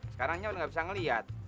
sekarang nyiak udah nggak bisa ngelihat